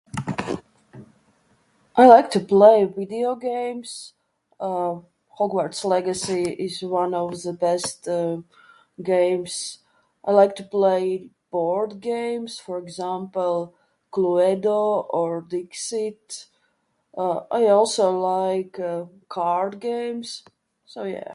I like to play video games... uh... Hogwarts Legacy is one of the best games. I like to play board games, for example, Cluedo or Dixit. I also like, uh..., card games, so yeah.